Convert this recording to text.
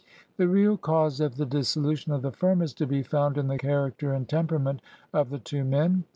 The real cause of the dissolution of the firm is to be found in the character and temperament of the two men.